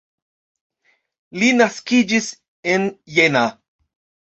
Li naskiĝis en Jena.